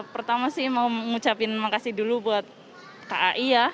pertama sih mau mengucapkan terima kasih dulu buat kai ya